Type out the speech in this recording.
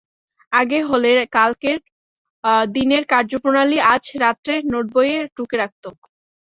আগে হলে কালকের দিনের কার্যপ্রণালী আজ রাত্রে নোটবইয়ে টুকে রাখত।